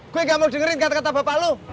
gue gak mau dengerin kata kata bapak lo